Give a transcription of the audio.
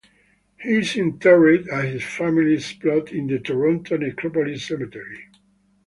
He is interred at his family's plot in the Toronto Necropolis Cemetery.